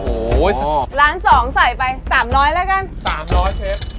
โอ้โหชอบล้านสองใส่ไปสามร้อยแล้วกันสามร้อยเชฟ